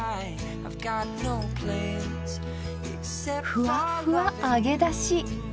ふわふわ揚げだし。